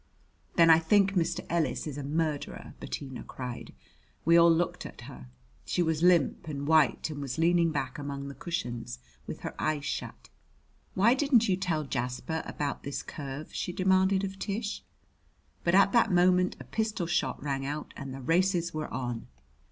"Then I think Mr. Ellis is a murderer," Bettina cried. We all looked at her. She was limp and white and was leaning back among the cushions with her eyes shut. "Why didn't you tell Jasper about this curve?" she demanded of Tish. But at that moment a pistol shot rang out and the races were on.